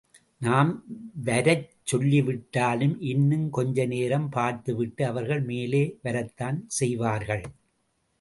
நாம் வரச்சொல்லாவிட்டாலும் இன்னும் கொஞ்ச நேரம் பார்த்துவிட்டு, அவர்கள் மேலே வரத்தான் செய்வார்கள்.